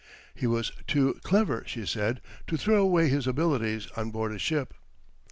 He was too clever, she said, to throw away his abilities on board a ship.